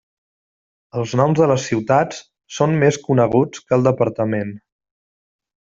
Els noms de les ciutats són més coneguts que el departament.